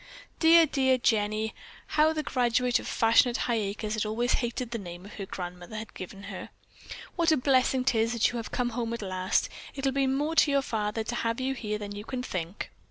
"Dear, dear Jenny!" (How the graduate of fashionable Highacres had always hated the name her grandmother had given her.) "What a blessing 'tis that you have come home at last. It'll mean more to your father to have you here than you can think."